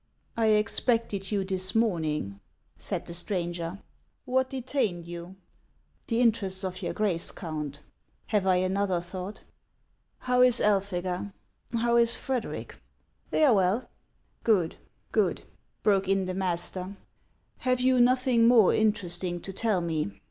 " I expected you this morning," said the stranger ;" what detained you ?" "The interests of your Grace, Count; have I another thought ?"" How is Elphega ? How is Frederic ?" "They are well." " Good ! good !" broke in the master ;" have you noth in<» more interesting to tell me